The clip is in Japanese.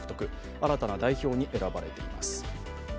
新たな代表に選ばれています。